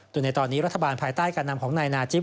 โดยในตอนนี้รัฐบาลภายใต้การนำของนายนาจิป